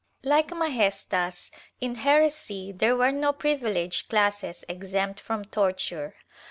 ^ Like majestas, in heresy there were no privileged classes exempt from torture.